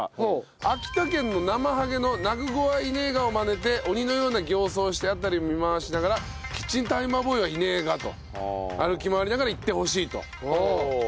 秋田県のなまはげの「泣く子はいねぇが」をマネて鬼のような形相をして辺りを見回しながら「キッチンタイマーボーイはいねぇが」と歩き回りながら言ってほしいと。